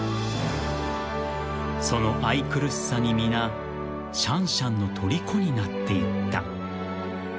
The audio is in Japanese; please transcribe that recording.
［その愛くるしさに皆シャンシャンのとりこになっていった］